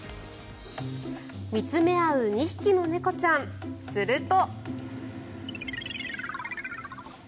見つめ合う２匹の猫ちゃんすると。